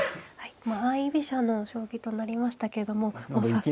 相居飛車の将棋となりましたけれどももう早速。